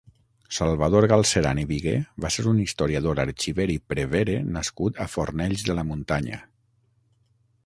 Salvador Galceran i Vigué va ser un historiador, arxiver i prevere nascut a Fornells de la Muntanya.